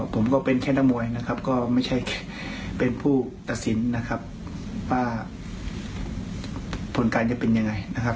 ผมก็เป็นแค่นักมวยนะครับก็ไม่ใช่เป็นผู้ตัดสินนะครับว่าผลการจะเป็นยังไงนะครับ